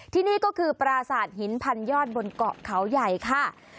ที่นี่ก็คือปราสาทหินพันยอดบนเกาะเขาใหญ่ค่ะ